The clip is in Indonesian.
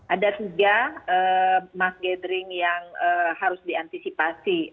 ada tiga mask gathering yang harus diantisipasi